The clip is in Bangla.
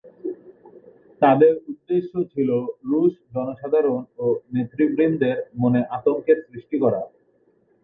তাদের উদ্দেশ্য ছিল রুশ জনসাধারণ ও নেতৃবৃন্দের মনে আতঙ্কের সৃষ্টি করা।